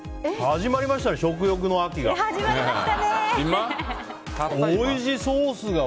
始まりましたね、食欲の秋が。